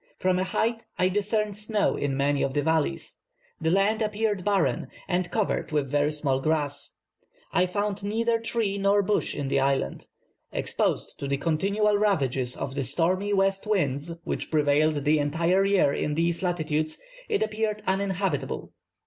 From a height I discerned snow in many of the valleys. The land appeared barren, and covered with very small grass. I found neither tree nor bush in the island. Exposed to the continual ravages of the stormy west winds which prevailed the entire year in these latitudes, it appeared uninhabitable.